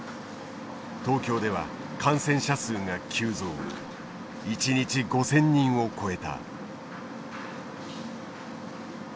東京では感染者数が急増一日５，０００人を超えた。